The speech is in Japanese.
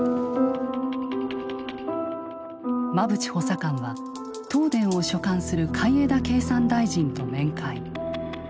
馬淵補佐官は東電を所管する海江田経産大臣と面会。